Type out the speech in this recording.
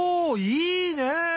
いいね！